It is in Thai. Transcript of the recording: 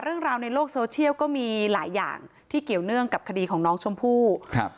เรื่องราวในโลกโซเชียลก็มีหลายอย่างที่เกี่ยวเนื่องกับคดีของน้องชมพู่ครับ